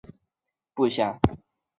胡顺妃卒年不详。